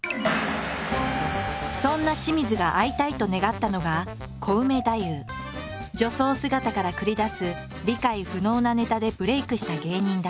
そんな清水が会いたいと願ったのが女装姿から繰り出す理解不能なネタでブレイクした芸人だ。